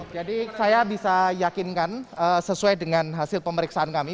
jadi saya bisa yakinkan sesuai dengan hasil pemeriksaan kami